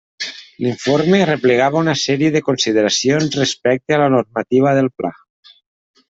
L'informe arreplegava una sèrie de consideracions respecte a la normativa del Pla.